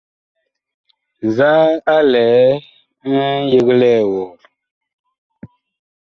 Nzaa a lɛ ŋyeglɛɛ wɔɔ ?